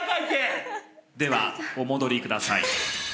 ではお戻りください。